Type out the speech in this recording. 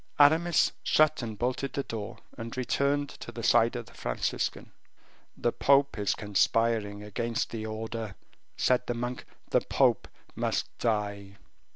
Aramis shut and bolted the door, and returned to the side of the Franciscan. "The pope is conspiring against the order," said the monk; "the pope must die."